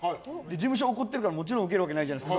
事務所怒ってるからもちろん受けるわけないじゃないですか。